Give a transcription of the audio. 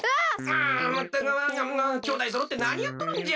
ああまったくきょうだいそろってなにやっとるんじゃ。